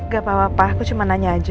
gapapa pak aku cuma nanya aja